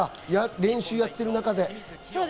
練習をやっている中で。